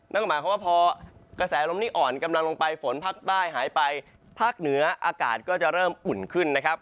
นั่นก็หมายความว่าพอกระแสลมนี้อ่อนกำลังลงไปฝนภาคใต้หายไปภาคเหนืออากาศก็จะเริ่มอุ่นขึ้นนะครับ